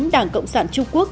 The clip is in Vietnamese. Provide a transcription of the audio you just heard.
đảng cộng sản trung quốc